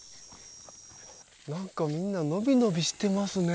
なんかみんな伸び伸びしてますね。